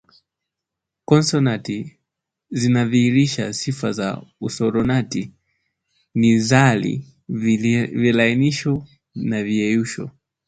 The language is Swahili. Konsonanti zinazodhihirisha sifa za usonorati ni nazali, vilainisho na viyeyusho